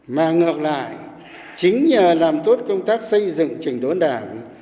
mà ngược lại chính nhờ làm tốt công tác xây dựng trình đốn đảng